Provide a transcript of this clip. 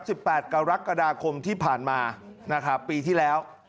แปดกรกฎาคมที่ผ่านมานะครับปีที่แล้ว